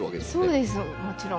そうですもちろん。